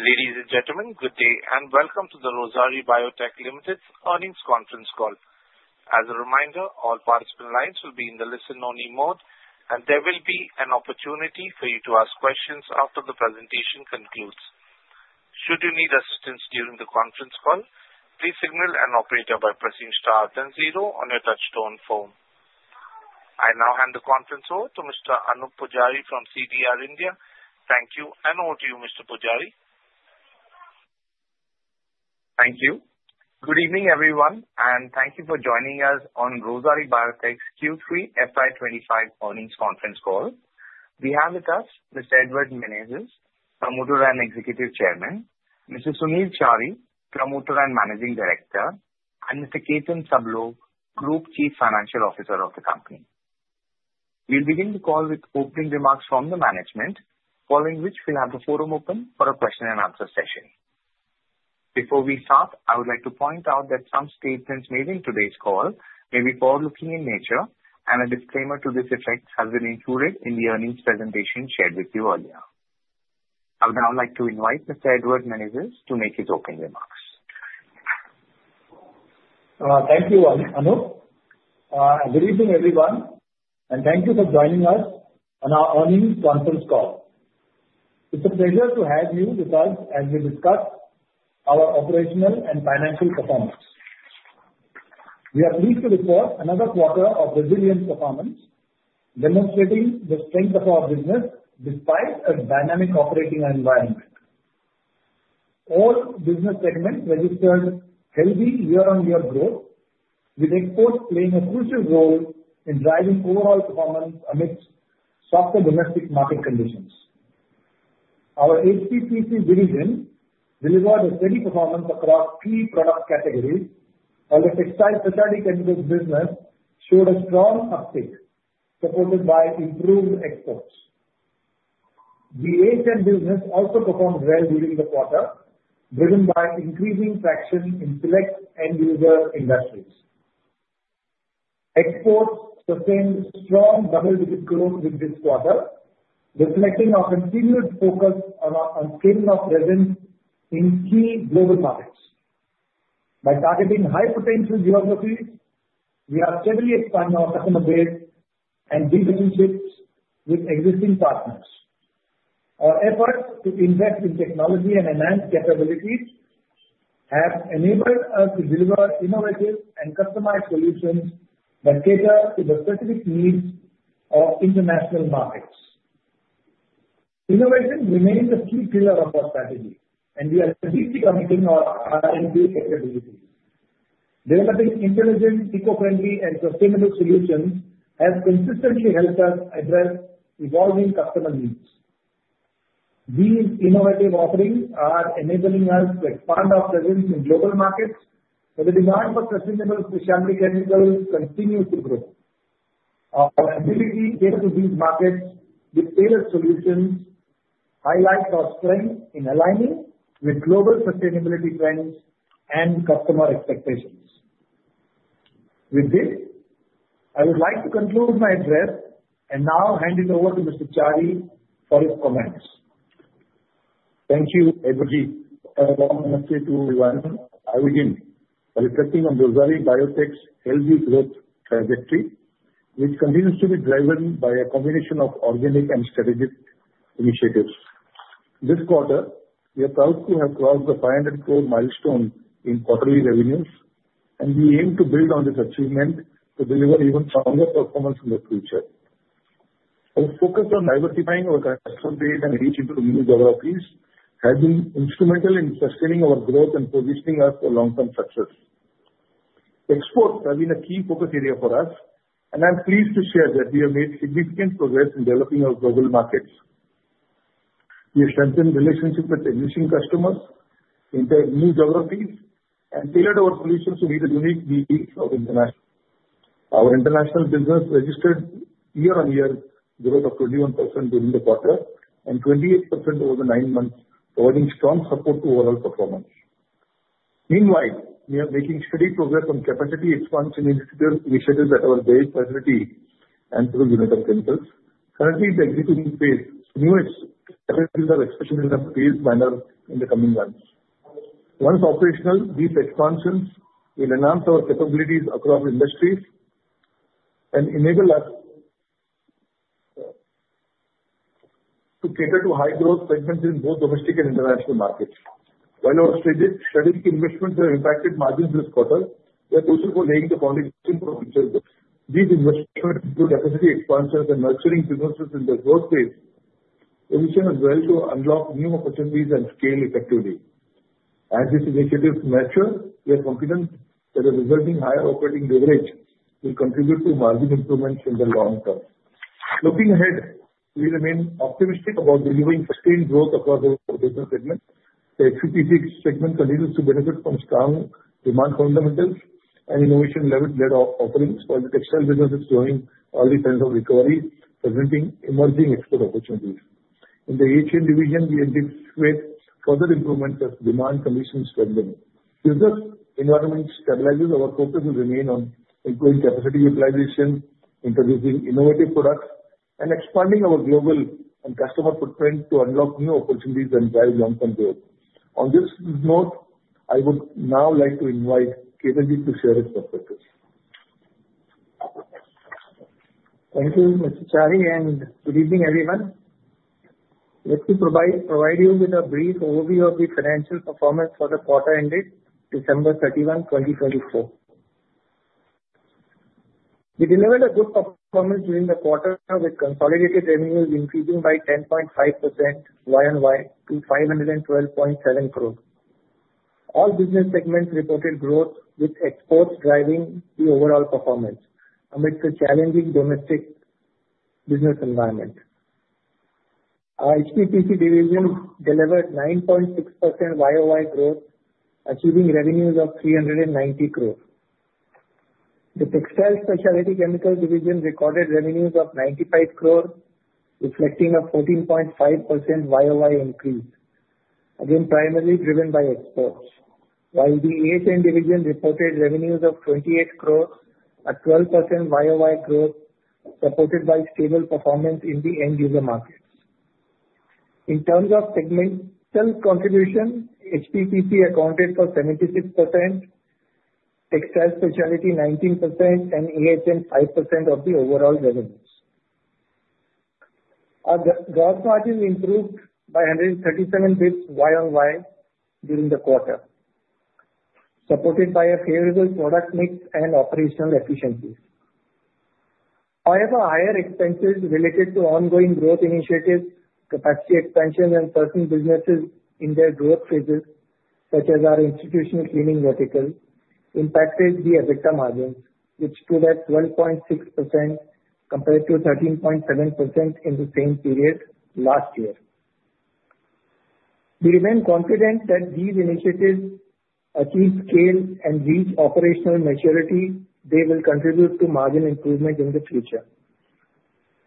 Ladies and gentlemen, good day and welcome to the Rossari Biotech Limited's earnings conference call. As a reminder, all participant lines will be in the listen-only mode, and there will be an opportunity for you to ask questions after the presentation concludes. Should you need assistance during the conference call, please signal an operator by pressing star then zero on your touch-tone phone. I now hand the conference over to Mr. Anoop Pujari from CDR India. Thank you, and over to you, Mr. Pujari. Thank you. Good evening, everyone, and thank you for joining us on Rossari Biotech's Q3 FY25 earnings conference call. We have with us Mr. Edward Menezes, Promoter and Executive Chairman, Mr. Sunil Chari, Promoter and Managing Director, and Mr. Ketan Sablok, Group Chief Financial Officer of the company. We'll begin the call with opening remarks from the management, following which we'll have the forum open for a question-and-answer session. Before we start, I would like to point out that some statements made in today's call may be forward-looking in nature, and a disclaimer to this effect has been included in the earnings presentation shared with you earlier. I would now like to invite Mr. Edward Menezes to make his opening remarks. Thank you, Anoop. Good evening, everyone, and thank you for joining us on our earnings conference call. It's a pleasure to have you with us as we discuss our operational and financial performance. We are pleased to report another quarter of resilient performance, demonstrating the strength of our business despite a dynamic operating environment. All business segments registered healthy year-on-year growth, with exports playing a crucial role in driving overall performance amidst softer domestic market conditions. Our HPPC division delivered a steady performance across key product categories, while the textile specialty chemicals business showed a strong uptick supported by improved exports. The AHN business also performed well during the quarter, driven by increasing traction in select end-user industries. Exports sustained strong double-digit growth this quarter, reflecting our continued focus on scaling our presence in key global markets. By targeting high-potential geographies, we are steadily expanding our customer base and deep relationships with existing partners. Our efforts to invest in technology and enhance capabilities have enabled us to deliver innovative and customized solutions that cater to the specific needs of international markets. Innovation remains a key pillar of our strategy, and we are deeply committing to our R&D capabilities. Developing intelligent, eco-friendly, and sustainable solutions has consistently helped us address evolving customer needs. These innovative offerings are enabling us to expand our presence in global markets, but the demand for sustainable specialty chemicals continues to grow. Our ability to cater to these markets with tailored solutions highlights our strength in aligning with global sustainability trends and customer expectations. With this, I would like to conclude my address and now hand it over to Mr. Chari for his comments. Thank you, Edward. A warm namaste to everyone. I begin by reflecting on Rossari Biotech's healthy growth trajectory, which continues to be driven by a combination of organic and strategic initiatives. This quarter, we are proud to have crossed the 500 crore milestone in quarterly revenues, and we aim to build on this achievement to deliver even stronger performance in the future. Our focus on diversifying our customer base and reach into new geographies has been instrumental in sustaining our growth and positioning us for long-term success. Exports have been a key focus area for us, and I'm pleased to share that we have made significant progress in developing our global markets. We have strengthened relationships with existing customers, entered new geographies, and tailored our solutions to meet the unique needs of international customers. Our international business registered year-on-year growth of 21% during the quarter and 28% over the nine months, providing strong support to overall performance. Meanwhile, we are making steady progress on capacity expansion initiatives at our various facilities and through Unitop Chemicals. Currently, the execution phase is at an exceptional pace in the coming months. Once operational, these expansions will enhance our capabilities across industries and enable us to cater to high-growth segments in both domestic and international markets. While our strategic investments have impacted margins this quarter, we are also laying the foundation for future growth. These investments include capacity expansions and nurturing businesses in the growth phase, which will also unlock new opportunities and scale effectively. As these initiatives mature, we are confident that the resulting higher operating leverage will contribute to margin improvements in the long term. Looking ahead, we remain optimistic about delivering sustained growth across our business segments. The HPPC segment continues to benefit from strong demand fundamentals and innovation-led offerings, while the textile business is showing early signs of recovery, presenting emerging export opportunities. In the AHN division, we anticipate further improvements as demand conditions strengthen. Because this environment stabilizes, our focus will remain on improving capacity utilization, introducing innovative products, and expanding our global and customer footprint to unlock new opportunities and drive long-term growth. On this note, I would now like to invite Ketan ji to share his perspectives. Thank you, Mr. Chari, and good evening, everyone. Let me provide you with a brief overview of the financial performance for the quarter ended December 31, 2024. We delivered a good performance during the quarter, with consolidated revenues increasing by 10.5% YOY to 512.7 crore. All business segments reported growth, with exports driving the overall performance amidst the challenging domestic business environment. Our HPPC division delivered 9.6% YOY growth, achieving revenues of 390 crore. The textile specialty chemicals division recorded revenues of 95 crore, reflecting a 14.5% YOY increase, again primarily driven by exports, while the AHN division reported revenues of 28 crore, a 12% YOY growth supported by stable performance in the end-user markets. In terms of segmental contribution, HPPC accounted for 76%, textile specialty 19%, and AHN 5% of the overall revenues. Our gross margins improved by 137 basis points YOY during the quarter, supported by a favorable product mix and operational efficiencies. However, higher expenses related to ongoing growth initiatives, capacity expansion, and certain businesses in their growth phases, such as our institutional cleaning verticals, impacted the EBITDA margins, which stood at 12.6% compared to 13.7% in the same period last year. We remain confident that these initiatives achieve scale and reach operational maturity. They will contribute to margin improvement in the future.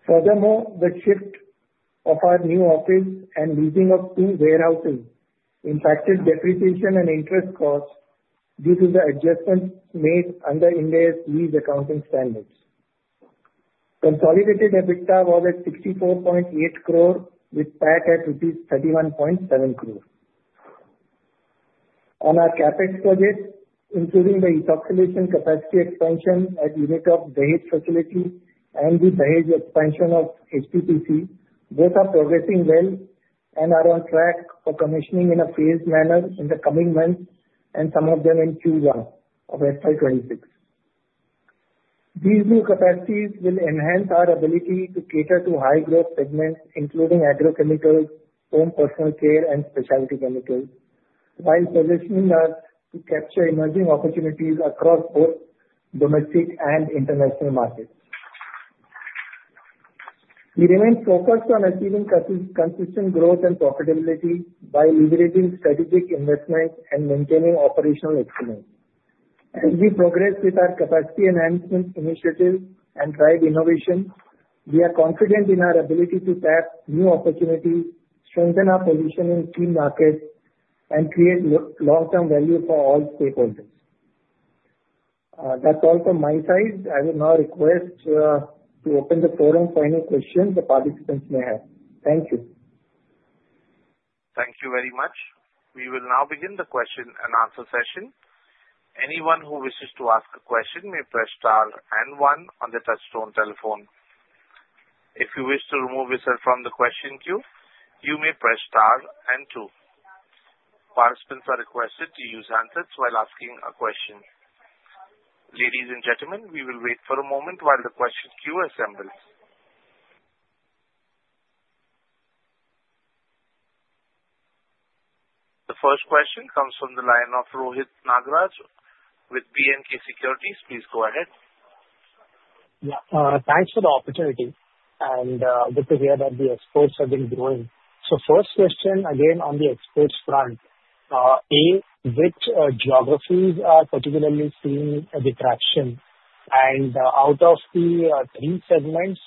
Furthermore, the shift of our new office and leasing of two warehouses impacted depreciation and interest costs due to the adjustments made under India's lease accounting standards. Consolidated EBITDA was at 64.8 crore, with PAT at 31.7 crore. On our CapEx project, including the ethoxylation capacity expansion at the Unitop at Dahej facility and the Dahej expansion of HPPC, both are progressing well and are on track for commissioning in a phased manner in the coming months and some of them in Q1 of FY26. These new capacities will enhance our ability to cater to high-growth segments, including agrochemicals, home personal care, and specialty chemicals, while positioning us to capture emerging opportunities across both domestic and international markets. We remain focused on achieving consistent growth and profitability by leveraging strategic investments and maintaining operational excellence. As we progress with our capacity enhancement initiatives and drive innovation, we are confident in our ability to tap new opportunities, strengthen our position in key markets, and create long-term value for all stakeholders. That's all from my side. I would now request to open the forum for any questions the participants may have. Thank you. Thank you very much. We will now begin the question-and-answer session. Anyone who wishes to ask a question may press star and one on the touch-tone telephone. If you wish to remove yourself from the question queue, you may press star and two. Participants are requested to use handsets while asking a question. Ladies and gentlemen, we will wait for a moment while the question queue assembles. The first question comes from the line of Rohit Nagraj with B&K Securities. Please go ahead. Yeah, thanks for the opportunity. And good to hear that the exports have been growing. So first question, again on the exports front, which geographies are particularly seeing the traction? And out of the three segments,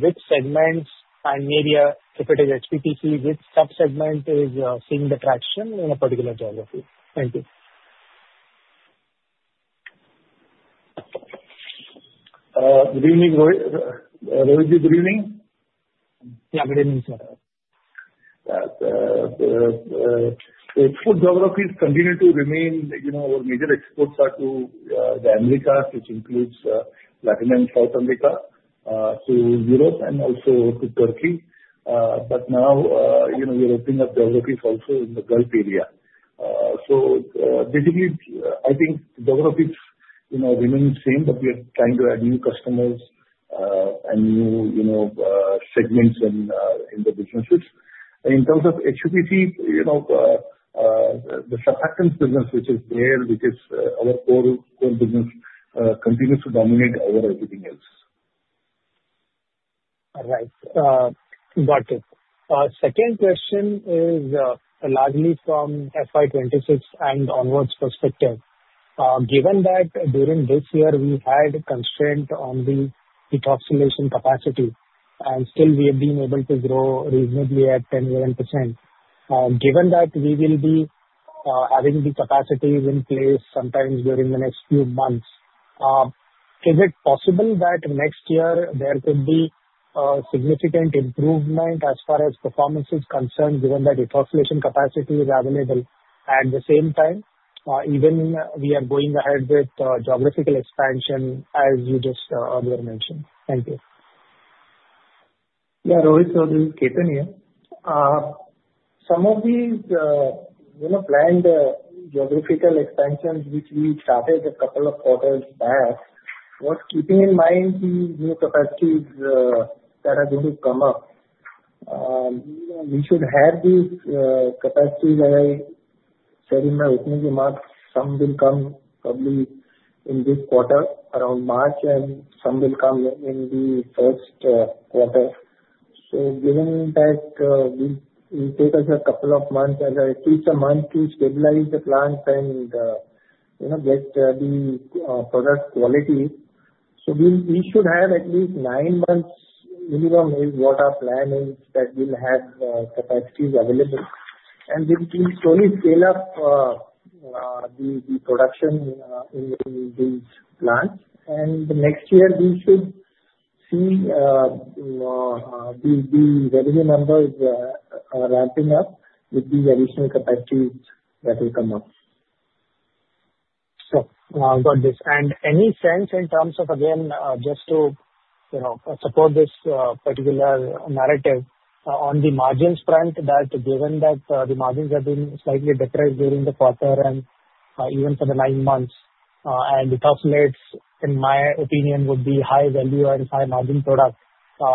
which segments and maybe if it is HPPC, which subsegment is seeing the traction in a particular geography? Thank you. Good evening, Rohit. Rohit Ji, good evening. Yeah, good evening, sir. Export geographies continue to remain. Our major exports are to the Americas, which includes Latin and South America, to Europe, and also to Turkey. But now we are opening up geographies also in the Gulf area. So basically, I think the geographies remain the same, but we are trying to add new customers and new segments in the businesses. In terms of HPPC, the surfactants business, which is there, which is our core business, continues to dominate over everything else. All right. Got it. Second question is largely from FY26 and onwards perspective. Given that during this year, we had constraint on the ethoxylation capacity, and still we have been able to grow reasonably at 10.1%. Given that we will be having the capacity in place sometime during the next few months, is it possible that next year there could be a significant improvement as far as performance is concerned, given that ethoxylation capacity is available at the same time, even we are going ahead with geographical expansion, as you just earlier mentioned? Thank you. Yeah, Rohit is on. Ketan here. Some of these planned geographical expansions, which we started a couple of quarters back, keeping in mind the new capacities that are going to come up. We should have these capacities, as I said in my opening remarks. Some will come probably in this quarter, around March, and some will come in the first quarter. Given that it will take us a couple of months, at least a month to stabilize the plants and get the product quality, we should have at least nine months minimum. That is what our plan is. We'll have capacities available. We will slowly scale up the production in these plants. Next year, we should see the revenue numbers ramping up with the additional capacities that will come up. Got this. And any sense in terms of, again, just to support this particular narrative on the margins front, that given that the margins have been slightly decreased during the quarter and even for the nine months, and ethoxylates, in my opinion, would be high value and high margin product,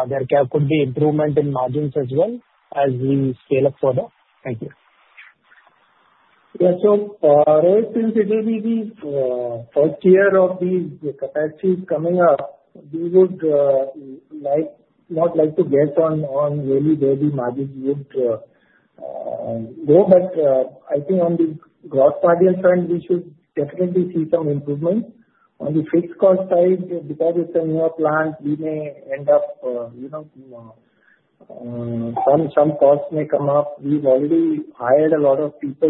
there could be improvement in margins as well as we scale up further? Thank you. Yeah, so Rohit, since it will be the first year of these capacities coming up, we would not like to guess on really where the margins would go. But I think on the gross margin front, we should definitely see some improvement. On the fixed cost side, because it's a newer plant, we may end up. Some costs may come up. We've already hired a lot of people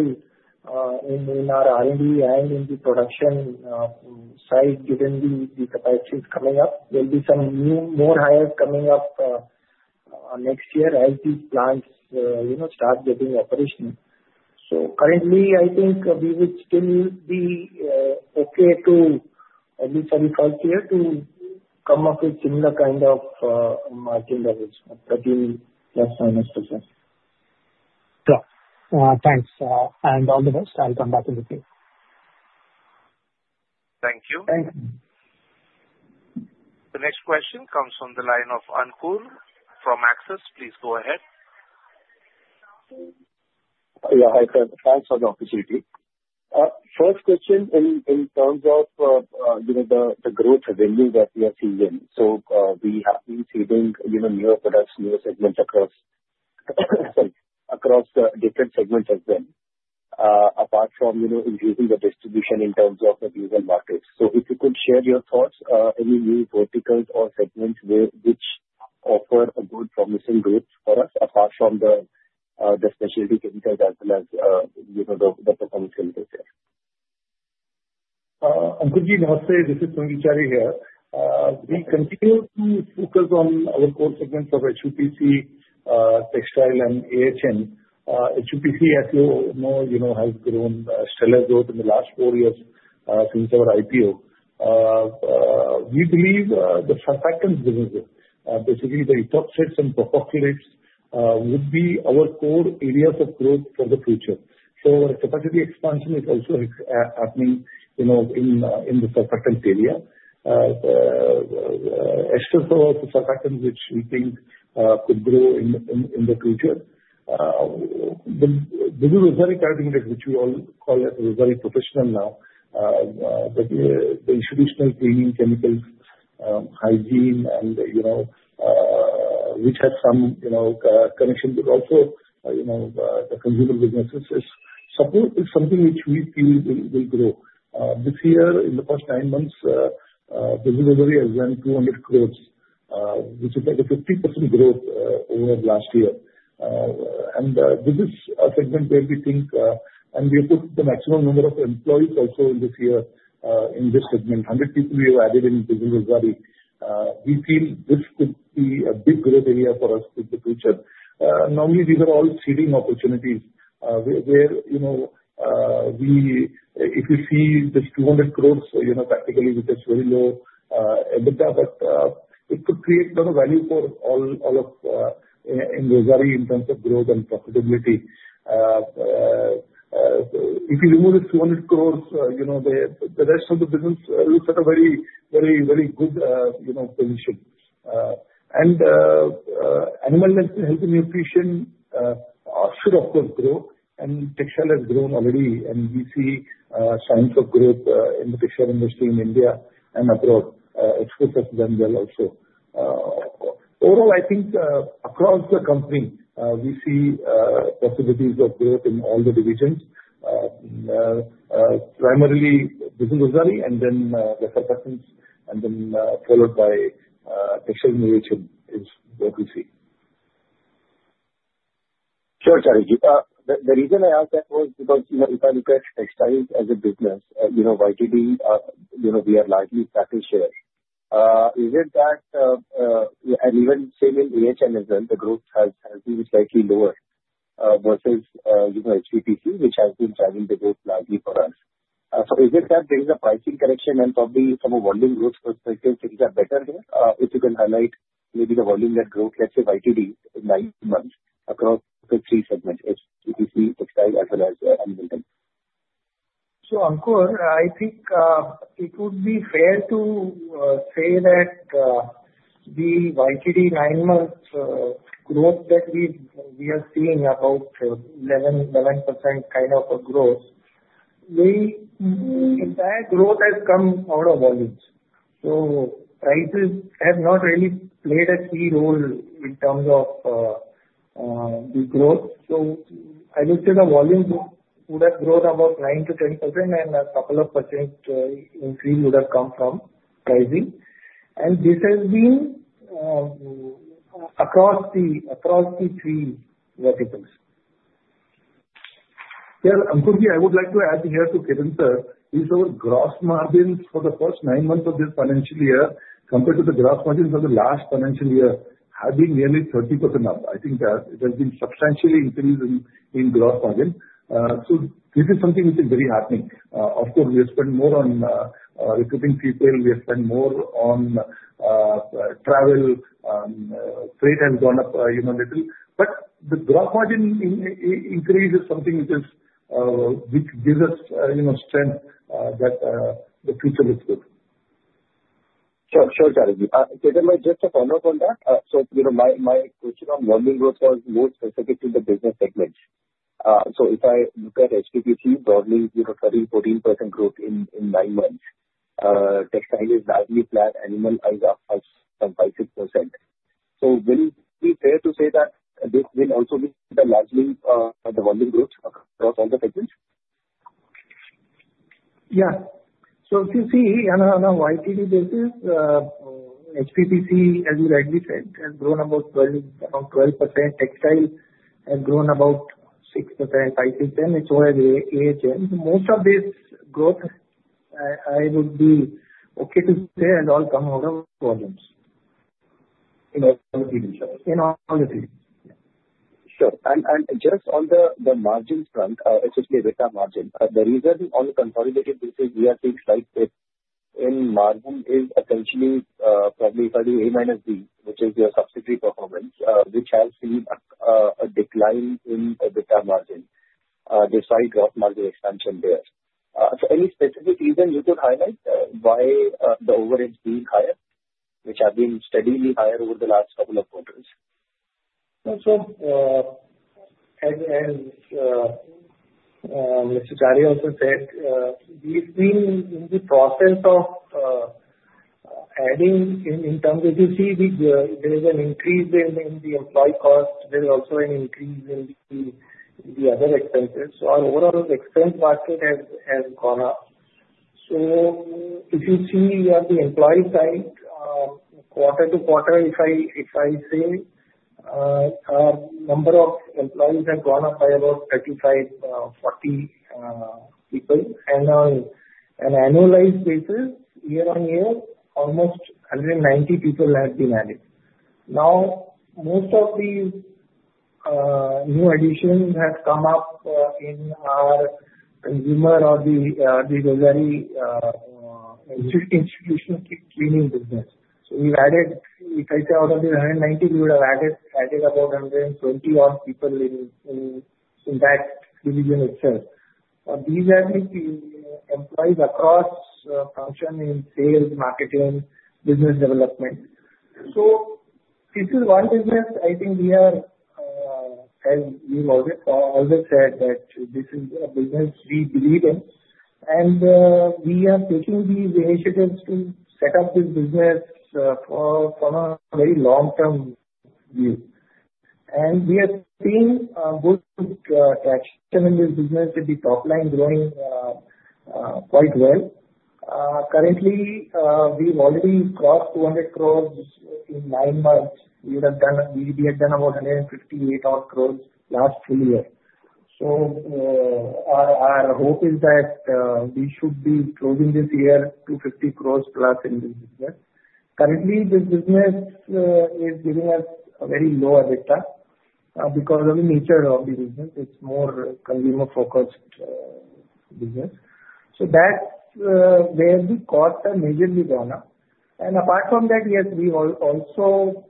in our R&D and in the production side, given the capacities coming up. There will be some more hires coming up next year as these plants start getting operational. So currently, I think we would still be okay to, at least for the first year, to come up with similar kind of margin levels that we have signed up for. Got it. Thanks, and all the best. I'll come back in a bit. Thank you. Thank you. The next question comes from the line of Ankur from Axis. Please go ahead. Yeah, hi there. Thanks for the opportunity. First question, in terms of the growth revenue that we are seeing, so we have been seeing newer products, newer segments across different segments as well, apart from increasing the distribution in terms of the regional markets. So if you could share your thoughts, any new verticals or segments which offer a good promising growth for us, apart from the specialty chemicals as well as the performance chemicals? Good evening, Rossari. This is Sunil Chari here. We continue to focus on our core segments of HPPC, textile, and AHN. HPPC, as you know, has grown stellar growth in the last four years since our IPO. We believe the surfactants businesses, basically the ethoxylates and co-acrylates, would be our core areas of growth for the future. So our capacity expansion is also happening in the surfactants area. Ethoxylation source of surfactants, which we think could grow in the future. The Buzil Rossari Private Limited, which we all call it, is Rossari Professional now. But the institutional cleaning chemicals, hygiene, which has some connection, but also the consumer businesses, is something which we feel will grow. This year, in the past nine months, the Rossari has done 200 crore, which is like a 50% growth over last year. This is a segment where we think, and we have put the maximum number of employees also in this year in this segment. 100 people we have added in Buzil Rossari. We feel this could be a big growth area for us in the future. Normally, these are all seeding opportunities where if you see this 200 crores, practically, which is very low EBITDA, but it could create a lot of value for all of in Rossari in terms of growth and profitability. If you remove this 200 crores, the rest of the business looks at a very good position. Animal health and nutrition should, of course, grow, and textile has grown already, and we see signs of growth in the textile industry in India and abroad. Exports have done well also. Overall, I think across the company, we see possibilities of growth in all the divisions, primarily Buzil Rossari and then the surfactants, and then followed by textile innovation is what we see. Sure, Chari. The reason I ask that was because if I look at textiles as a business, YTD, we are largely a flat share. Is it that, and even same in AHN as well, the growth has been slightly lower versus HPPC, which has been driving the growth largely for us. So is it that there is a pricing correction, and probably from a volume growth perspective, things are better here? If you can highlight maybe the volume growth, let's say YTD, in nine months across the three segments, HPPC, textile, as well as animal health? Ankur, I think it would be fair to say that the YTD nine-month growth that we are seeing, about 11% kind of a growth, the entire growth has come out of volumes. Prices have not really played a key role in terms of the growth. I would say the volume would have grown about 9-10%, and a couple of percent increase would have come from pricing. This has been across the three verticals. Yeah, Ankurji, I would like to add here to Ketan sir, these are gross margins for the first nine months of this financial year compared to the gross margins of the last financial year have been nearly 30% up. I think it has been substantially increased in gross margin. So this is something which is very heartening. Of course, we have spent more on recruiting people. We have spent more on travel. Freight has gone up a little. But the gross margin increase is something which gives us strength that the future looks good. Sure, Chari. Ketan, just a follow-up on that. So my question on volume growth was more specific to the business segments. So if I look at HPPC, broadly 13%-14% growth in nine months. Textile is largely flat. Animal health up by 6%. So will it be fair to say that this will also be largely the volume growth across all the segments? Yeah, so if you see on a YTD basis, HPPC, as you rightly said, has grown about 12%. Textile has grown about 6%, 5%. It's over at AHN. Most of this growth, I would be okay to say has all come out of volumes. In all of the three? In all of the three. Sure. And just on the margins front, especially EBITDA margin, the reason on the consolidated business we are seeing slight dip in margin is essentially probably if I do A minus B, which is your subsidiary performance, which has seen a decline in EBITDA margin despite gross margin expansion there. So any specific reason you could highlight why the overheads being higher, which have been steadily higher over the last couple of quarters? Sure. Mr. Chari also said, we've been in the process of adding in terms of you see there is an increase in the employee cost. There is also an increase in the other expenses. So our overall expense market has gone up. So if you see on the employee side, quarter to quarter, if I say our number of employees have gone up by about 35-40 people. On an annualized basis, year on year, almost 190 people have been added. Now, most of these new additions have come up in our consumer or the Rossari institutional cleaning business. So we've added, if I say out of the 190, we would have added about 120-odd people in that division itself. These are the employees across function in sales, marketing, business development. This is one business I think we are, as we've always said, that this is a business we believe in. We are taking these initiatives to set up this business from a very long-term view. We are seeing good traction in this business with the top line growing quite well. Currently, we've already crossed 200 crore in nine months. We had done about 158 crore last full year. Our hope is that we should be closing this year to 50 crore plus in this business. Currently, this business is giving us a very low EBITDA because of the nature of the business. It's more consumer-focused business. That's where the costs have majorly gone up. Apart from that, yes, we are also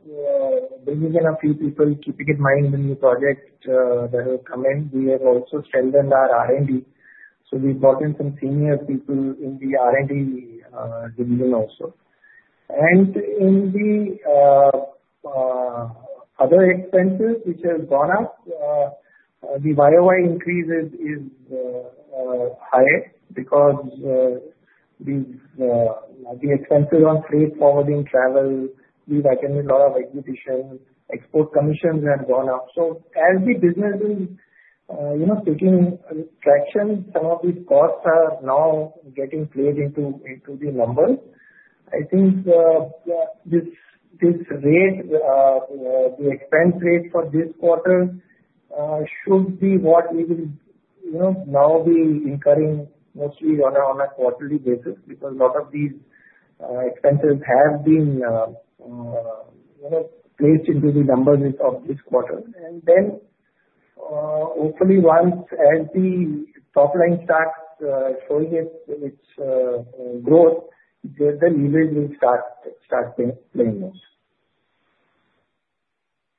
bringing in a few people, keeping in mind the new projects that have come in. We have also strengthened our R&D. So we've brought in some senior people in the R&D division also. And in the other expenses, which have gone up, the YOY increase is higher because the expenses on freight, forwarding, travel. We've attended a lot of exhibitions. Export commissions have gone up. So as the business is taking traction, some of these costs are now getting played into the numbers. I think this rate, the expense rate for this quarter, should be what we will now be incurring mostly on a quarterly basis because a lot of these expenses have been placed into the numbers of this quarter. And then hopefully once as the top line starts showing its growth, then the leverage will start playing those.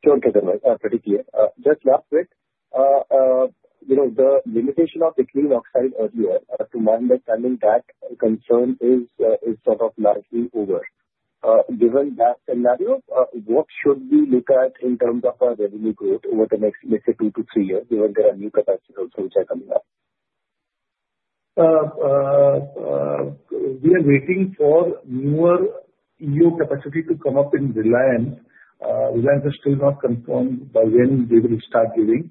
Sure, Ketan. Pretty clear. Just last bit of the limitation of the Ethylene Oxide earlier. To my understanding, that concern is sort of largely over. Given that scenario, what should we look at in terms of our revenue growth over the next, let's say, two to three years, given there are new capacities also which are coming up? We are waiting for newer EO capacity to come up in Reliance. Reliance is still not confirmed by when they will start giving,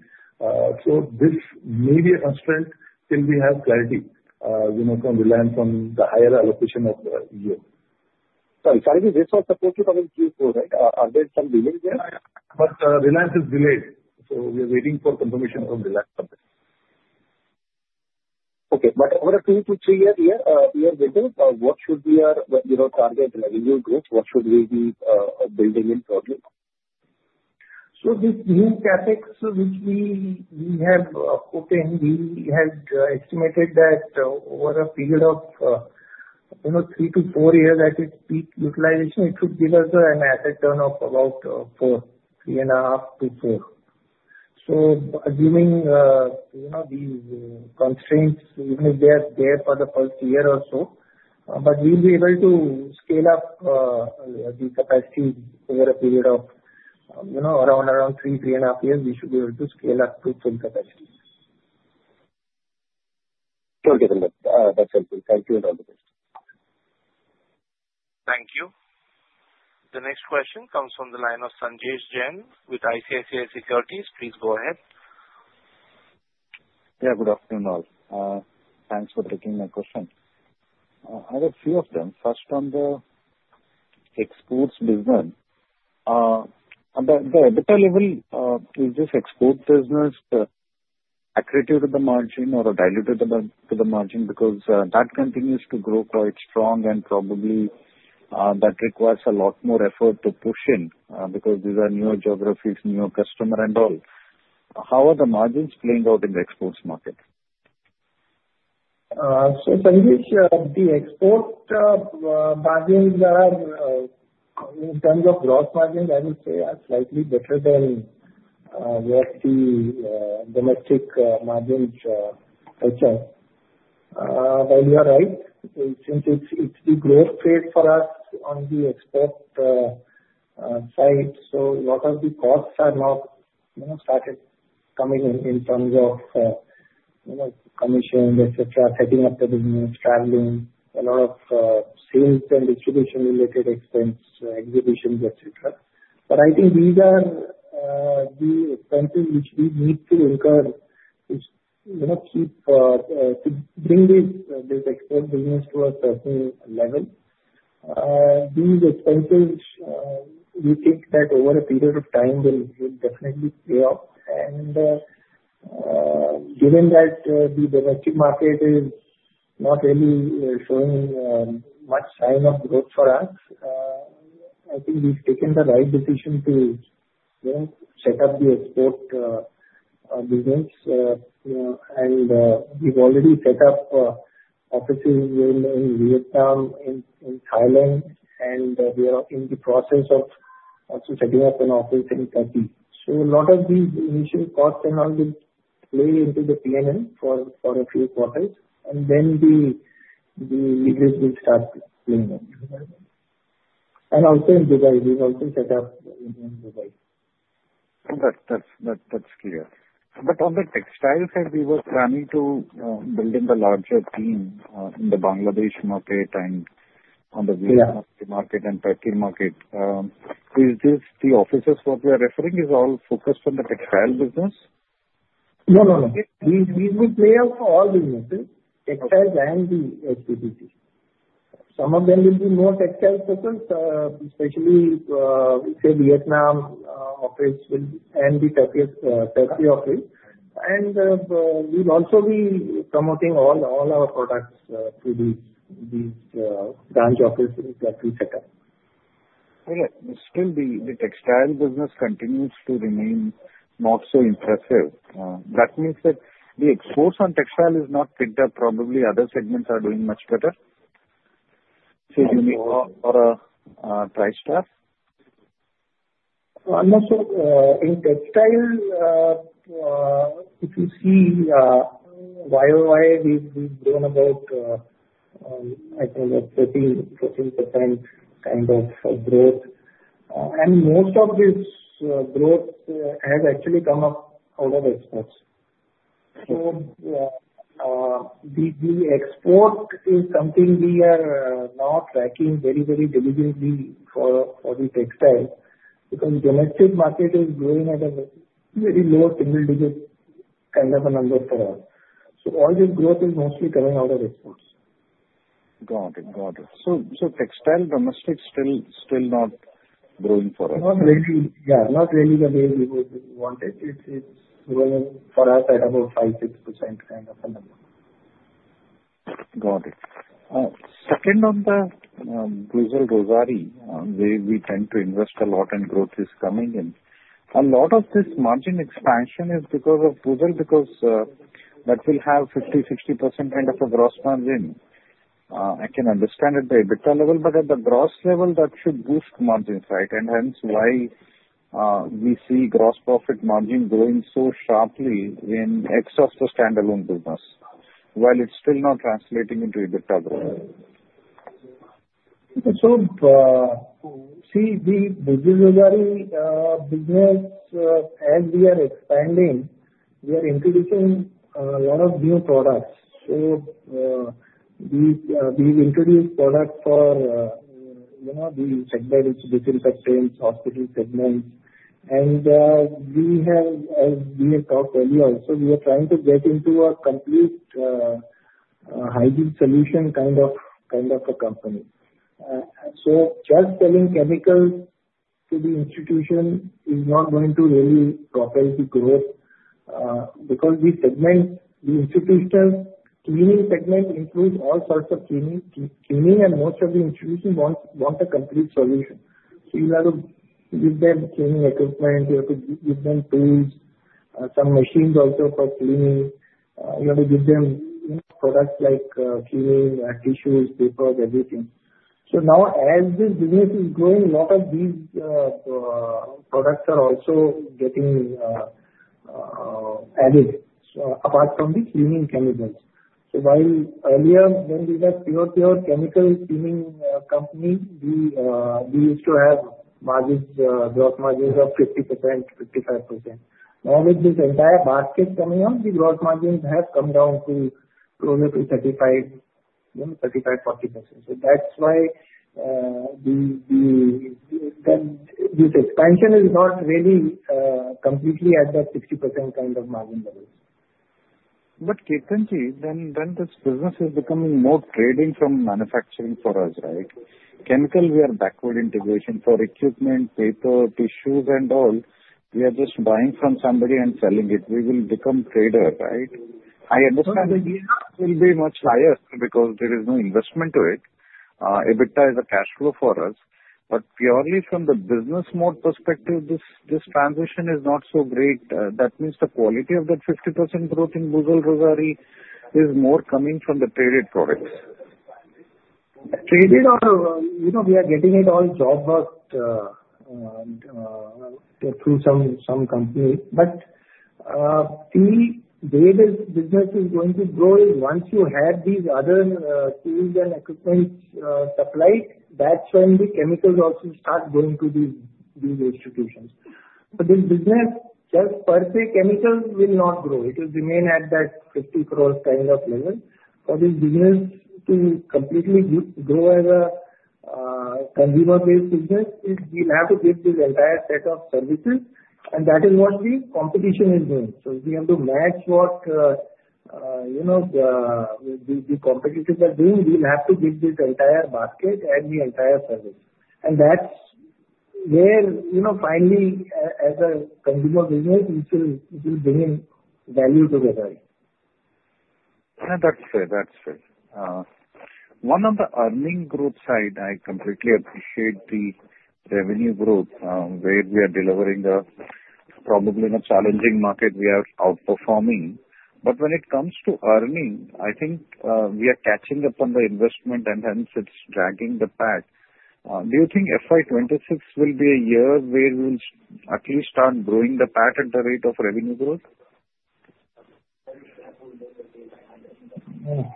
so this may be a constraint till we have clarity from Reliance on the higher allocation of EO. Sorry, Chari, this was supported on Q4, right? Are there some delays there? But Reliance is delayed. So we are waiting for confirmation from Reliance on this. Okay. But over a two- to three-year, we are waiting. What should be our target revenue growth? What should we be building in broadly? So this new CapEx which we have open, we had estimated that over a period of three to four years at its peak utilization, it should give us an asset turn of about four, three and a half to four. So assuming these constraints, even if they are there for the first year or so, but we'll be able to scale up the capacity over a period of around three to three and a half years, we should be able to scale up to full capacity. Sure, Ketan. That's helpful. Thank you and all the best. Thank you. The next question comes from the line of Sanjesh Jain with ICICI Securities. Please go ahead. Yeah, good afternoon all. Thanks for taking my question. I have a few of them. First, on the exports business, on the EBITDA level, is this export business accurate to the margin or diluted to the margin? Because that continues to grow quite strong, and probably that requires a lot more effort to push in because these are newer geographies, newer customers and all. How are the margins playing out in the exports market? Sanjesh, the export margins are in terms of gross margin. I would say they are slightly better than what the domestic margins touch on. Well, you're right. Since it's the growth rate for us on the export side, so a lot of the costs are now started coming in terms of commission, etc., setting up the business, traveling, a lot of sales and distribution-related expense, exhibitions, etc. But I think these are the expenses which we need to incur to bring this export business to a certain level. These expenses, we think that over a period of time, will definitely pay off. And given that the domestic market is not really showing much sign of growth for us, I think we've taken the right decision to set up the export business. And we've already set up offices in Vietnam, in Thailand, and we are in the process of also setting up an office in Turkey. So a lot of these initial costs can all be played into the P&L for a few quarters, and then the leverage will start playing up. And also in Dubai, we've also set up in Dubai. That's clear. But on the textile side, we were planning to build a larger team in the Bangladesh market and on the Vietnam market and Turkey market. Is this the offices what we are referring is all focused on the textile business? No, no, no. We will roll out for all businesses, textiles and the institutions. Some of them will be more textile focused, especially, say, Vietnam office and the Turkey office, and we'll also be promoting all our products through these branch offices that we set up. Still, the textile business continues to remain not so impressive. That means that the exports on textile is not ticked up. Probably other segments are doing much better. Say you need more price tag? So in textile, if you see YOY, we've grown about, I think, 13% kind of growth. And most of this growth has actually come up out of exports. So the export is something we are now tracking very, very diligently for the textile because the domestic market is growing at a very low single-digit kind of a number for us. So all this growth is mostly coming out of exports. Got it. Got it. So textile domestic still not growing for us? Not really. Yeah, not really the way we would want it. It's growing for us at about 5-6% kind of a number. Got it. Second on the Buzil Rossari, where we tend to invest a lot and growth is coming in, a lot of this margin expansion is because of Buzil because that will have 50%-60% kind of a gross margin. I can understand at the EBITDA level, but at the gross level, that should boost margins, right? And hence why we see gross profit margin growing so sharply in excess of the standalone business, while it's still not translating into EBITDA growth. So see, the Buzil Rossari business, as we are expanding, we are introducing a lot of new products. So we've introduced products for the segment, which is the infectious hospital segment. And we have, as we had talked earlier also, we are trying to get into a complete hygiene solution kind of a company. So just selling chemicals to the institution is not going to really propel the growth because the institutional cleaning segment includes all sorts of cleaning. And most of the institutions want a complete solution. So you have to give them cleaning equipment. You have to give them tools, some machines also for cleaning. You have to give them products like cleaning tissues, papers, everything. So now, as this business is growing, a lot of these products are also getting added apart from the cleaning chemicals. So while earlier, when we were pure, pure chemical cleaning company, we used to have gross margins of 50%-55%. Now, with this entire basket coming up, the gross margins have come down to closer to 35%-40%. That's why this expansion is not really completely at that 60% kind of margin levels. But Ketan, then this business is becoming more trading from manufacturing for us, right? Chemicals, we are backward integration for textiles, paper, tissues, and all. We are just buying from somebody and selling it. We will become trader, right? I understand the yield will be much higher because there is no investment to it. EBITDA is a cash flow for us. But purely from the business model perspective, this transition is not so great. That means the quality of that 50% growth in Buzil Rossari is more coming from the traded products. Rather, we are getting it all job worked through some company. But the way this business is going to grow is once you have these other tools and equipments supplied, that's when the chemicals also start going to these institutions. But this business, just per se, chemicals will not grow. It will remain at that 50 crore kind of level. For this business to completely grow as a consumer-based business, we'll have to give this entire set of services. And that is what the competition is doing. So we have to match what the competitors are doing. We'll have to give this entire basket and the entire service. And that's where finally, as a consumer business, it will bring in value to Rossari. That's fair. That's fair. On the earnings growth side, I completely appreciate the revenue growth where, in a probably challenging market, we are outperforming. But when it comes to earnings, I think we are catching up on the investment, and hence it's dragging the PAT. Do you think FY26 will be a year where we will at least start growing the PAT at the rate of revenue growth? That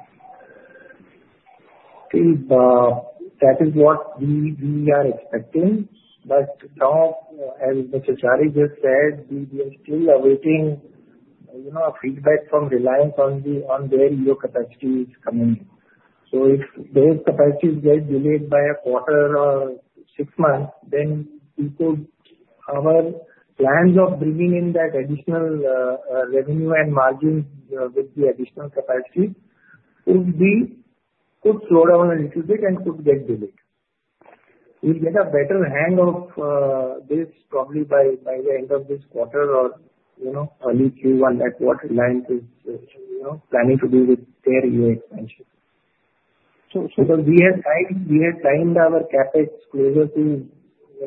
is what we are expecting. But now, as Mr. Chari just said, we are still awaiting feedback from Reliance on where your capacity is coming in. So if those capacities get delayed by a quarter or six months, then our plans of bringing in that additional revenue and margin with the additional capacity would slow down a little bit and could get delayed. We'll get a better handle on this probably by the end of this quarter or early Q1, on what Reliance is planning to do with their EO expansion. Because we have timed our CapEx closer to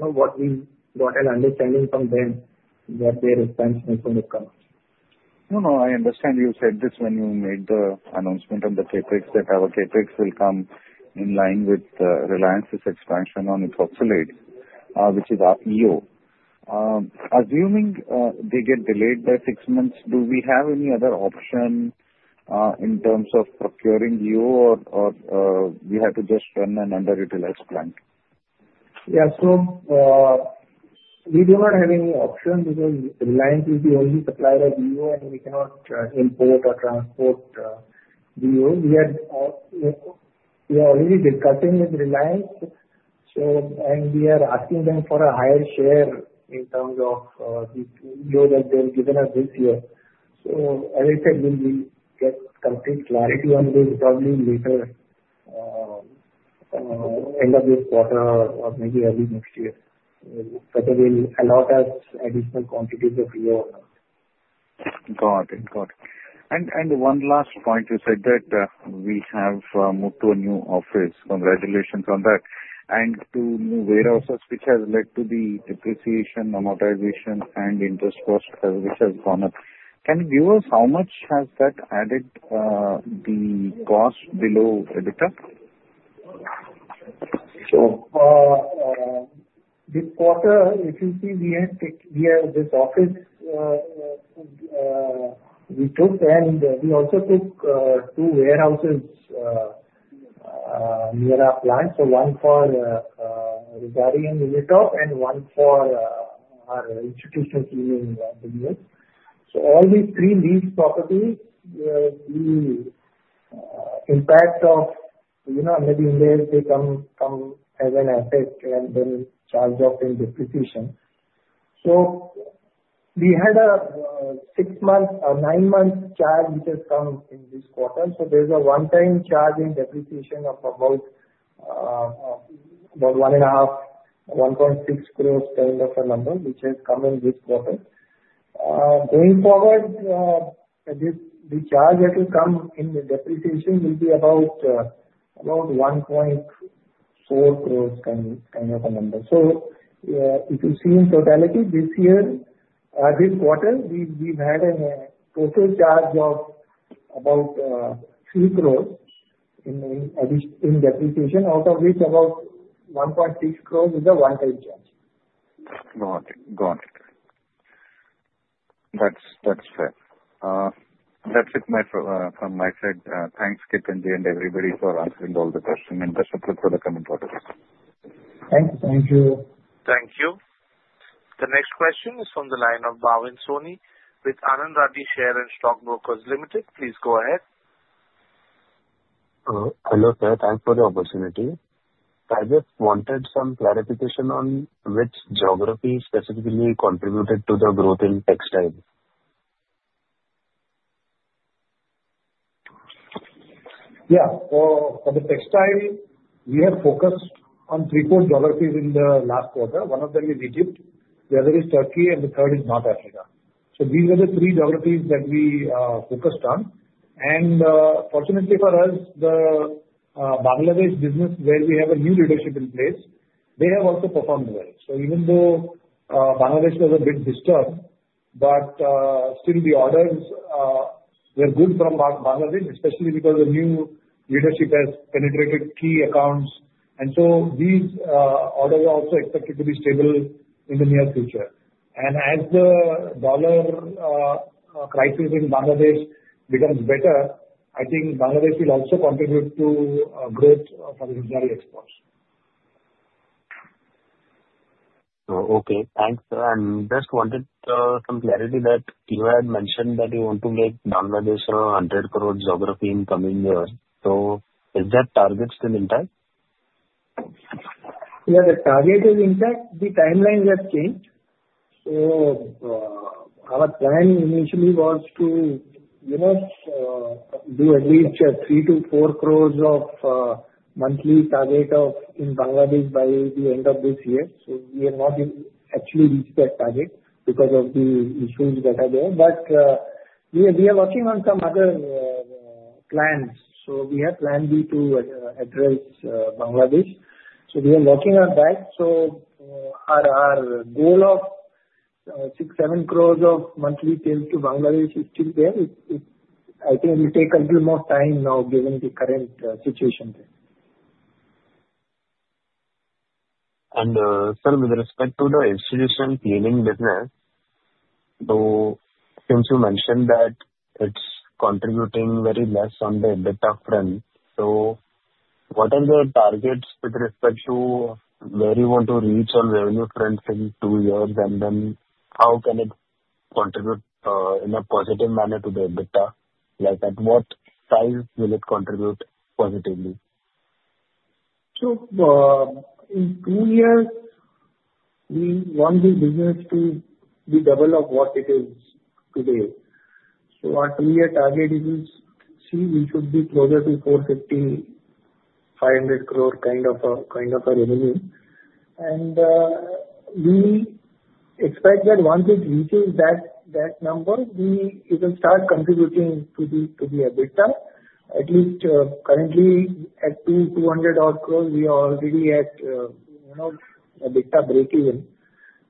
what we got an understanding from them that their expansion is going to come. No, no. I understand you said this when you made the announcement on the CapEx that our CapEx will come in line with Reliance's expansion on its oxide, which is EO. Assuming they get delayed by six months, do we have any other option in terms of procuring EO, or we have to just run an under-utilized plant? Yeah. So we do not have any option because Reliance is the only supplier of EO, and we cannot import or transport EO. We are already discussing with Reliance, and we are asking them for a higher share in terms of EO that they've given us this year. So as I said, we'll get complete clarity on this probably later end of this quarter or maybe early next year. Whether they'll allow us additional quantities of EO or not. Got it. Got it. And one last point, you said that we have moved to a new office. Congratulations on that. And to new warehouses, which has led to the depreciation, amortization, and interest cost, which has gone up. Can you give us how much has that added the cost below EBITDA? So this quarter, if you see, we have this office we took, and we also took two warehouses near our plant. So one for Rossari and Unitop, and one for our institutional cleaning business. So all these three lease properties, the impact of maybe in there, they come as an asset and then charge off in depreciation. So we had a six-month or nine-month charge which has come in this quarter. So there's a one-time charge in depreciation of about 1.5-1.6 crores kind of a number, which has come in this quarter. Going forward, the charge that will come in the depreciation will be about 1.4 crores kind of a number. So if you see in totality, this year, this quarter, we've had a total charge of about 3 crores in depreciation, out of which about 1.6 crores is a one-time charge. Got it. Got it. That's fair. That's it from my side. Thanks, Ketan, and everybody for answering all the questions and the support for the comment orders. Thank you. Thank you. Thank you. The next question is from the line of Bhavin Soni. With Anand Rathi Share and Stock Brokers Limited. Please go ahead. Hello, sir. Thanks for the opportunity. I just wanted some clarification on which geography specifically contributed to the growth in textile. Yeah. So for the textile, we have focused on three core geographies in the last quarter. One of them is Egypt, the other is Turkey, and the third is North Africa. So these are the three geographies that we focused on. And fortunately for us, the Bangladesh business, where we have a new leadership in place, they have also performed well. So even though Bangladesh was a bit disturbed, but still the orders were good from Bangladesh, especially because the new leadership has penetrated key accounts. And so these orders are also expected to be stable in the near future. And as the dollar crisis in Bangladesh becomes better, I think Bangladesh will also contribute to growth for the Rossari exports. Okay. Thanks. And just wanted some clarity that you had mentioned that you want to make Bangladesh a 100-crore geography in coming years. So is that target still intact? Yeah. The target is intact. The timelines have changed. Our plan initially was to do at least three to four crore of monthly target in Bangladesh by the end of this year. We have not actually reached that target because of the issues that are there. But we are working on some other plans. We have plan B to address Bangladesh. We are working on that. Our goal of six-seven crore of monthly sales to Bangladesh is still there. I think it will take a little more time now given the current situation. Sir, with respect to the institutional cleaning business, since you mentioned that it's contributing very less on the EBITDA front, so what are the targets with respect to where you want to reach on revenue front in two years? And then how can it contribute in a positive manner to the EBITDA? At what size will it contribute positively? So in two years, we want this business to be double of what it is today. So our two-year target is, see, we should be closer to 450-500 crore kind of a revenue. And we expect that once it reaches that number, it will start contributing to the EBITDA. At least currently, at 200 crore, we are already at EBITDA break-even.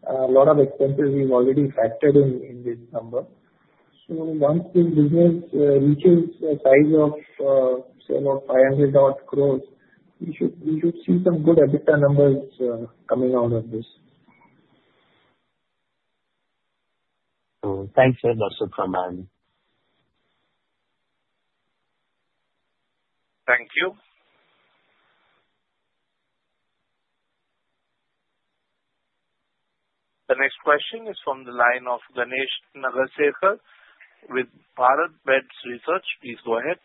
A lot of expenses we've already factored in this number. So once this business reaches a size of about 500 crore, we should see some good EBITDA numbers coming out of this. So thanks, sir. That's it from my end. Thank you. The next question is from the line of Ganesh Nagarsekar with Bharat Bhushan Research. Please go ahead.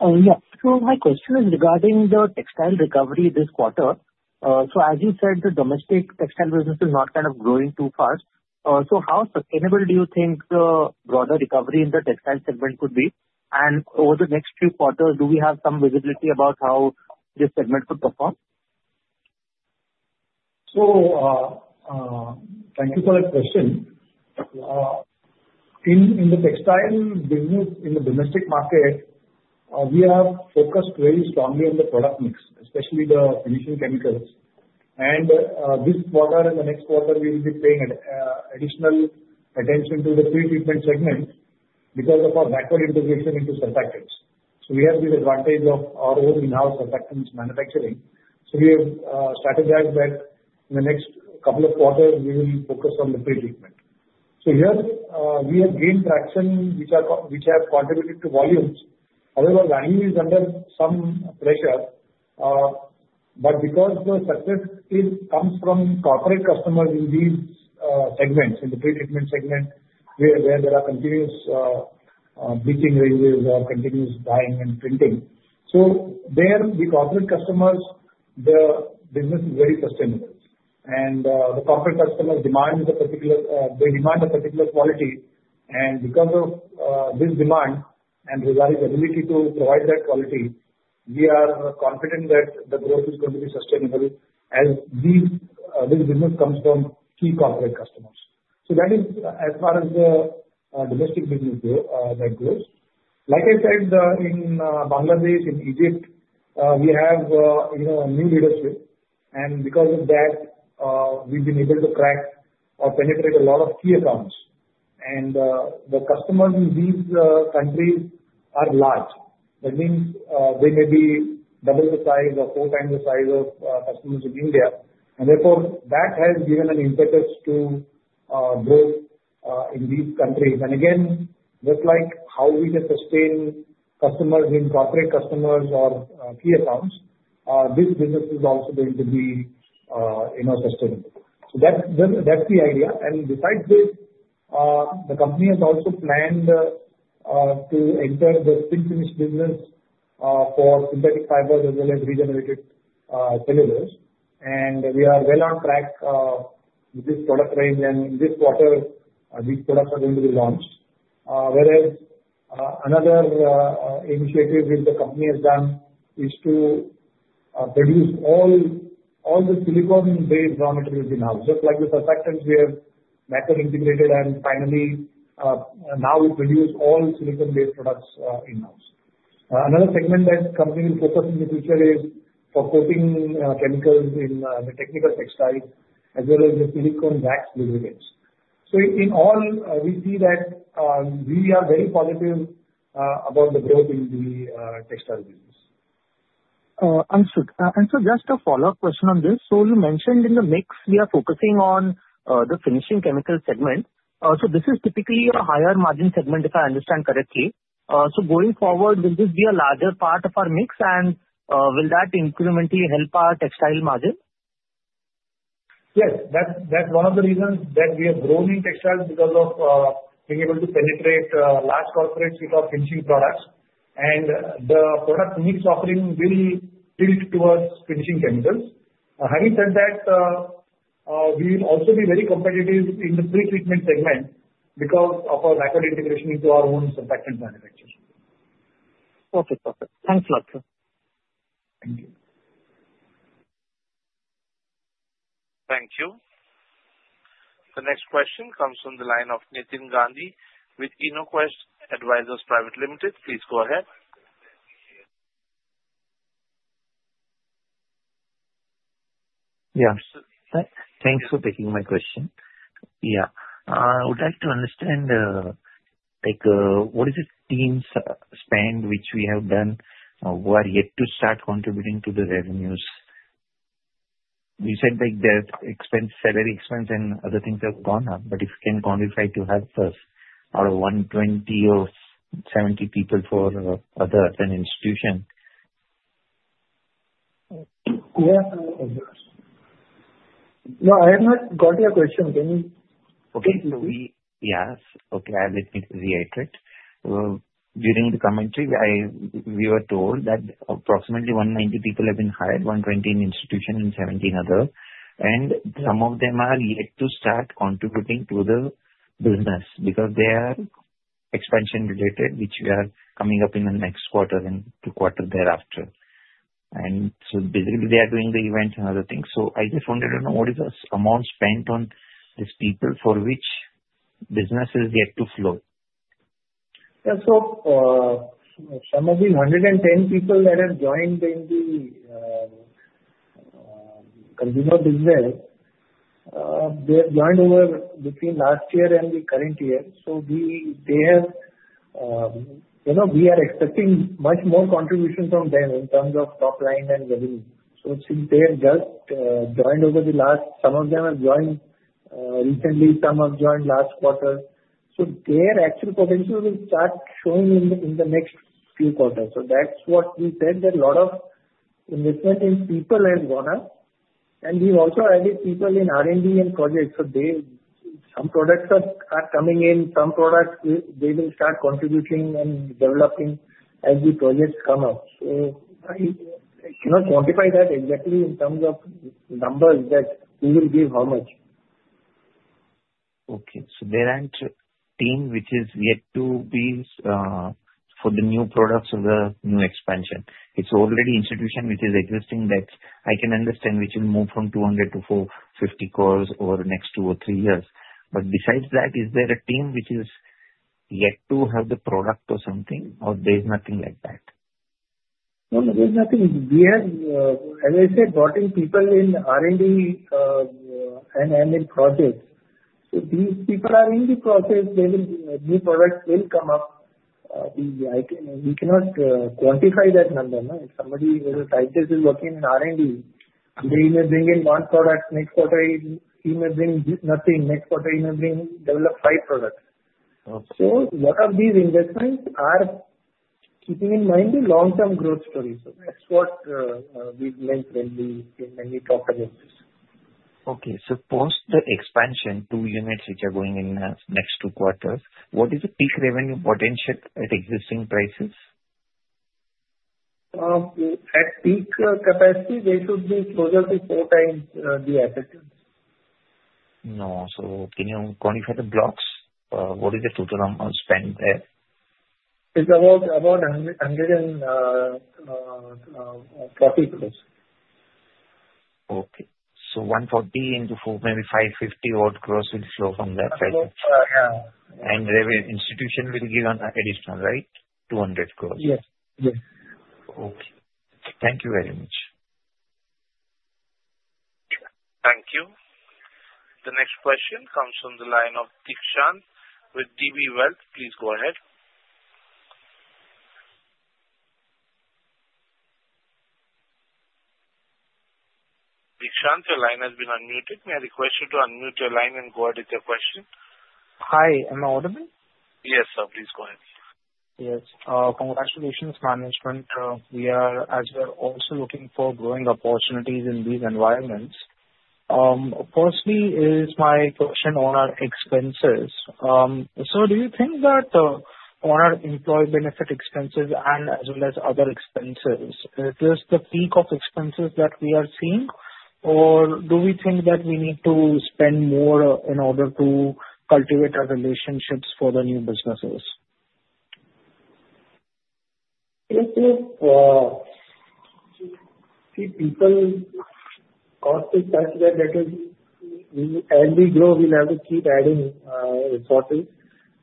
Yeah. So my question is regarding the textile recovery this quarter. So as you said, the domestic textile business is not kind of growing too fast. So how sustainable do you think the broader recovery in the textile segment could be? And over the next few quarters, do we have some visibility about how this segment could perform? So thank you for the question. In the textile business, in the domestic market, we have focused very strongly on the product mix, especially the finishing chemicals. And this quarter and the next quarter, we will be paying additional attention to the pre-treatment segment because of our backward integration into surfactants. So we have this advantage of our own in-house surfactants manufacturing. So we have strategized that in the next couple of quarters, we will focus on the pre-treatment. So here, we have gained traction, which have contributed to volumes. However, value is under some pressure. But because the success comes from corporate customers in these segments, in the pre-treatment segment, where there are continuous bleaching ranges or continuous dyeing and printing. So there, the corporate customers, the business is very sustainable. And the corporate customers demand a particular quality. Because of this demand and Rossari's ability to provide that quality, we are confident that the growth is going to be sustainable as this business comes from key corporate customers. That is as far as the domestic business that grows. Like I said, in Bangladesh, in Egypt, we have new leadership. Because of that, we've been able to crack or penetrate a lot of key accounts. The customers in these countries are large. That means they may be double the size or four times the size of customers in India. Therefore, that has given an impetus to grow in these countries. Again, just like how we can sustain customers in corporate customers or key accounts, this business is also going to be sustainable. That's the idea. Besides this, the company has also planned to enter the spin finish business for synthetic fibers as well as regenerated cellulose. We are well on track with this product range. This quarter, these products are going to be launched. Whereas another initiative which the company has done is to produce all the silicone-based raw materials in-house. Just like the surfactants, we have macro-integrated. Finally, now we produce all silicone-based products in-house. Another segment that the company will focus on in the future is for coating chemicals in the technical textile as well as the silicone wax lubricants. In all, we see that we are very positive about the growth in the textile business. And sir, just a follow-up question on this. So you mentioned in the mix, we are focusing on the finishing chemical segment. So this is typically a higher margin segment, if I understand correctly. So going forward, will this be a larger part of our mix, and will that incrementally help our textile margin? Yes. That's one of the reasons that we have grown in textiles, because of being able to penetrate large corporate with our finishing products. And the product mix offering will tilt towards finishing chemicals. Having said that, we will also be very competitive in the pre-treatment segment because of our backward integration into our own surfactant manufacturing. Okay. Perfect. Thanks a lot, sir. Thank you. Thank you. The next question comes from the line of Nitin Gandhi with InnoQuest Advisors Private Limited. Please go ahead. Yeah. Thanks for taking my question. Yeah. I would like to understand what is the team's spend which we have done who are yet to start contributing to the revenues? You said that salary expense and other things have gone up. But if you can quantify to help us out of 120 or 70 people for other than institutional. Yeah. No, I have not got your question. Can you? Okay. Yes. Okay. Let me reiterate. During the commentary, we were told that approximately 190 people have been hired, 120 in institutional and 70 other. And some of them are yet to start contributing to the business because they are expansion-related, which we are coming up in the next quarter and two quarters thereafter. And so basically, they are doing the events and other things. So I just wanted to know what is the amount spent on these people for which benefits yet to flow? Yeah. So some of these 110 people that have joined in the consumer business, they have joined over between last year and the current year. So we are expecting much more contribution from them in terms of top line and revenue. So since they have just joined over the last, some of them have joined recently, some have joined last quarter. So their actual potential will start showing in the next few quarters. So that's what we said, that a lot of investment in people has gone up. And we've also added people in R&D and projects. So some products are coming in. Some products, they will start contributing and developing as the projects come up. So I cannot quantify that exactly in terms of numbers that we will give, how much. Okay, so there aren't teams which is yet to be for the new products or the new expansion. It's already institutional which is existing that I can understand which will move from 200-450 crores over the next two or three years. But besides that, is there a team which is yet to have the product or something, or there is nothing like that? No, no, there's nothing. We have, as I said, brought in people in R&D and in projects. So these people are in the process. New products will come up. We cannot quantify that number. If somebody who is a scientist is working in R&D, they may bring in one product. Next quarter, he may bring nothing. Next quarter, he may bring develop five products. So a lot of these investments are keeping in mind the long-term growth story. So that's what we've mentioned when we talked about this. Okay, so post the expansion, two units which are going in the next two quarters, what is the peak revenue potential at existing prices? At peak capacity, they should be closer to four times the assets. No, so can you quantify the blocks? What is the total spend there? It's about INR 140 crore. Okay. So 140 into maybe 550-odd crores will flow from that. Crores. Yeah. Institutional will give an additional, right? 200 crore. Yes. Yes. Okay. Thank you very much. Thank you. The next question comes from the line of Deekshant with DB Wealth. Please go ahead. Deekshant, your line has been unmuted. May I request you to unmute your line and go ahead with your question? Hi. Am I audible? Yes, sir. Please go ahead. Yes. Congratulations, Management. We are also looking for growing opportunities in these environments. Firstly is my question on our expenses. Sir, do you think that on our employee benefit expenses and as well as other expenses, is this the peak of expenses that we are seeing, or do we think that we need to spend more in order to cultivate our relationships for the new businesses? I think people constantly say that as we grow, we'll have to keep adding resources,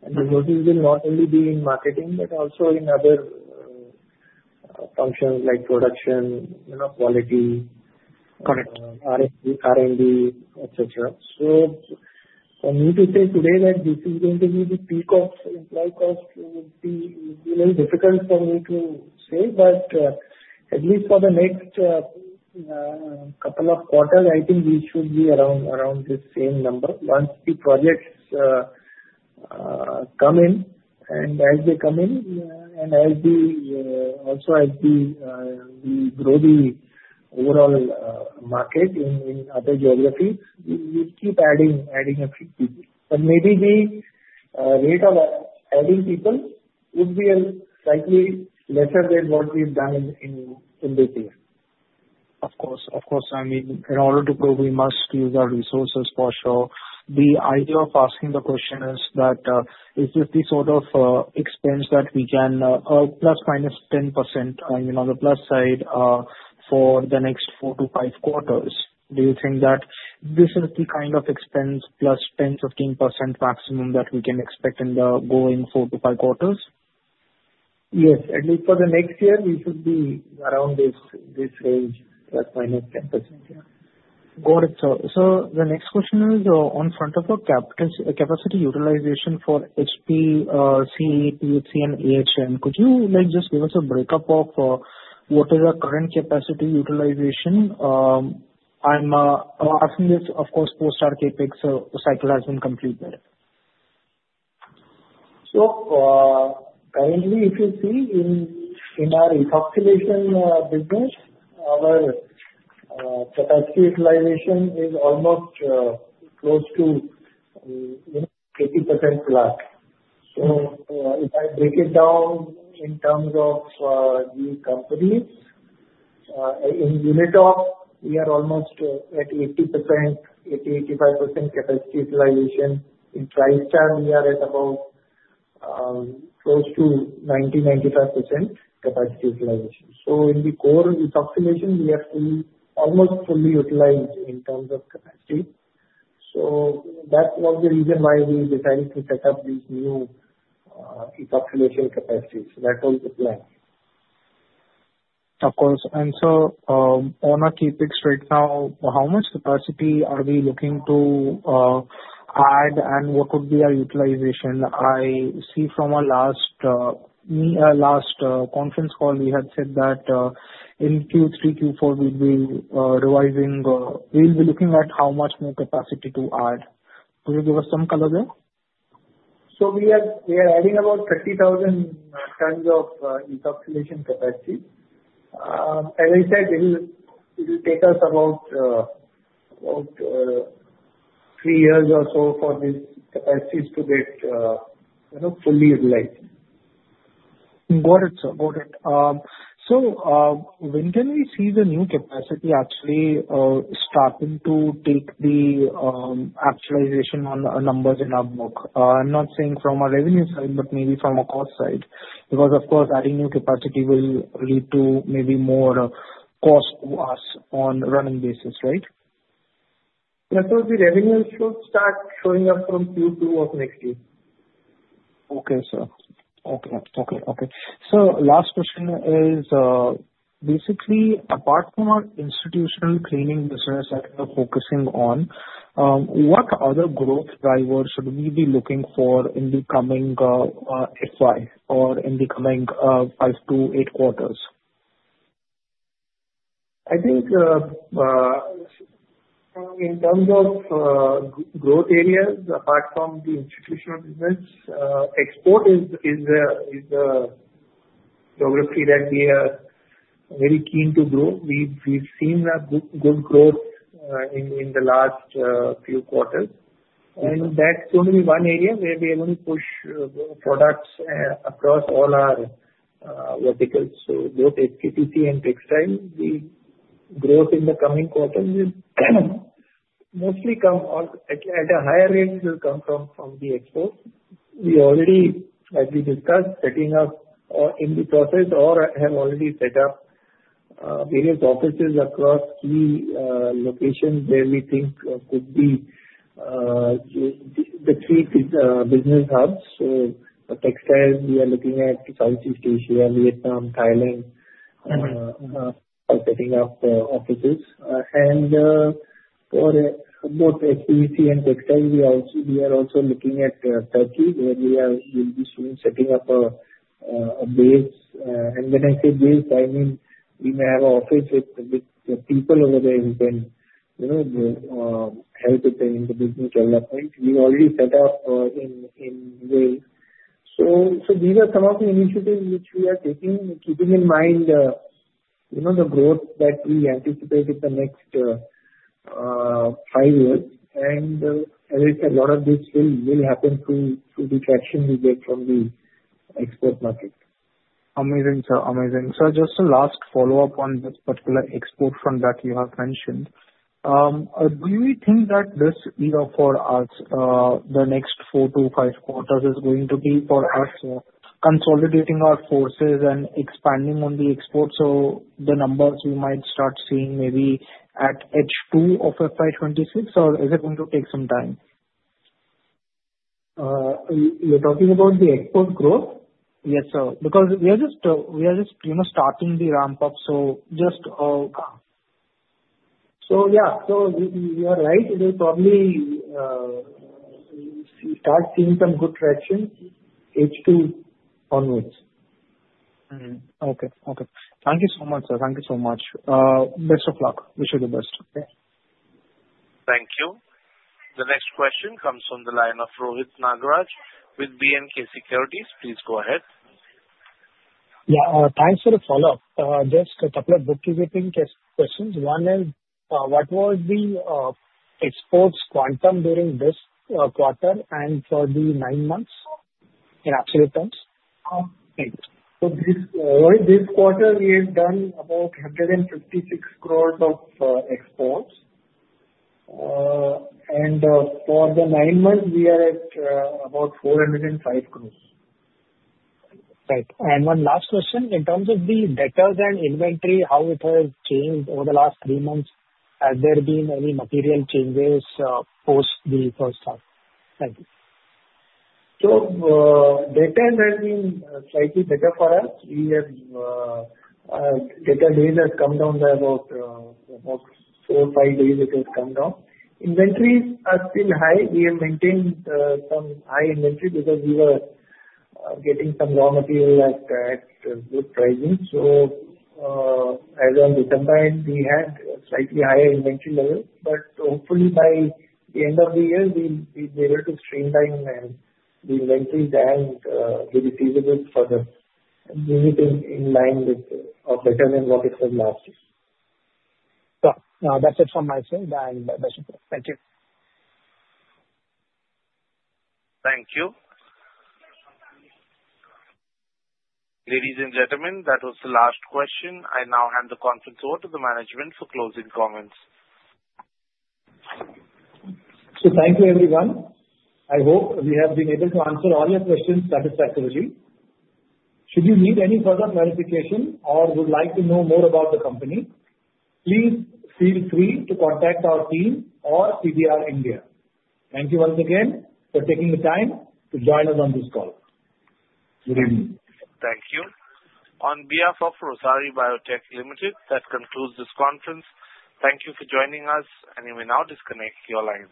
and the resources will not only be in marketing, but also in other functions like production, quality, R&D, etc, so for me to say today that this is going to be the peak of employee cost would be a little difficult for me to say, but at least for the next couple of quarters, I think we should be around this same number once the projects come in, and as they come in, and also as we grow the overall market in other geographies, we'll keep adding a few people, but maybe the rate of adding people would be slightly lesser than what we've done in this year. Of course. Of course. I mean, in order to grow, we must use our resources for sure. The idea of asking the question is that is this the sort of expense that we can plus minus 10% on the plus side for the next four to five quarters? Do you think that this is the kind of expense plus 10, 15% maximum that we can expect in the going four to five quarters? Yes. At least for the next year, we should be around this range, plus minus 10%. Yeah. Got it, sir. So the next question is on front of the capacity utilization for HPPC, and AHN. Could you just give us a breakup of what is our current capacity utilization? I'm asking this, of course, post our CapEx cycle has been completed. Currently, if you see in our ethoxylation business, our capacity utilization is almost close to 80% plus. If I break it down in terms of the companies, in Unitop, we are almost at 80-85% capacity utilization. In Tristar, we are at about close to 90-95% capacity utilization. In the core ethoxylation, we have to be almost fully utilized in terms of capacity. That was the reason why we decided to set up these new ethoxylation capacities. That was the plan. Of course. And so, on our HPPC right now, how much capacity are we looking to add, and what would be our utilization? I see from our last conference call, we had said that in Q3, Q4, we'll be revising. We'll be looking at how much more capacity to add. Could you give us some color there? So we are adding about 30,000 tons of ethoxylation capacity. As I said, it will take us about three years or so for these capacities to get fully utilized. Got it, sir. Got it. So when can we see the new capacity actually starting to take the actualization on our numbers in our book? I'm not saying from a revenue side, but maybe from a cost side. Because, of course, adding new capacity will lead to maybe more cost to us on a running basis, right? Yeah. So the revenues should start showing up from Q2 of next year. Okay, sir. So last question is, basically, apart from our institutional cleaning business that we are focusing on, what other growth drivers should we be looking for in the coming FY or in the coming five to eight quarters? I think in terms of growth areas, apart from the institutional business, export is a geography that we are very keen to grow. We've seen good growth in the last few quarters. That's going to be one area where we are going to push products across all our verticals. Both HPPC and textile, the growth in the coming quarters will mostly come at a higher rate from the exports. We already, as we discussed, setting up in the process or have already set up various offices across key locations where we think could be the key business hubs. Textile, we are looking at Southeast Asia, Vietnam, Thailand, setting up offices. For both HPPC and textile, we are also looking at Turkey, where we will be soon setting up a base. And when I say base, I mean we may have an office with people over there who can help in the business development. We already set up in UAE. So these are some of the initiatives which we are taking, keeping in mind the growth that we anticipate in the next five years. And as I said, a lot of this will happen through the traction we get from the export market. Amazing, sir. Amazing. So just a last follow-up on this particular export front that you have mentioned. Do you think that this era for us, the next four to five quarters, is going to be for us consolidating our forces and expanding on the export? So the numbers we might start seeing maybe at H2 of FY26, or is it going to take some time? You're talking about the export growth? Yes, sir. Because we are just starting the ramp-up. So just. So yeah. So you are right. It will probably start seeing some good traction H2 onwards. Okay. Okay. Thank you so much, sir. Thank you so much. Best of luck. Wish you the best. Okay. Thank you. The next question comes from the line of Rohit Nagraj with B&K Securities. Please go ahead. Yeah. Thanks for the follow-up. Just a couple of bookkeeping questions. One is, what was the exports quantum during this quarter and for the nine months in absolute terms? This quarter, we have done about 156 crores of exports. For the nine months, we are at about 405 crores. Right. And one last question. In terms of the debt and inventory, how it has changed over the last three months? Have there been any material changes post the first half? Thank you. So DSO has been slightly better for us. DSO days have come down by about four, five days. It has come down. Inventories are still high. We have maintained some high inventory because we were getting some raw material at good pricing. So as of December, we had slightly higher inventory levels. But hopefully, by the end of the year, we'll be able to streamline the inventories and make it feasible for us to move it in line with or better than what it was last year. Sir. That's it from my side, and that's it. Thank you. Thank you. Ladies and gentlemen, that was the last question. I now hand the conference over to the management for closing comments. So thank you, everyone. I hope we have been able to answer all your questions satisfactorily. Should you need any further clarification or would like to know more about the company, please feel free to contact our team or CDR India. Thank you once again for taking the time to join us on this call. Good evening. Thank you. On behalf of Rossari Biotech Limited, that concludes this conference. Thank you for joining us, and you may now disconnect your lines.